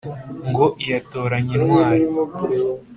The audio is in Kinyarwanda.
Ngo iyatoranye intwari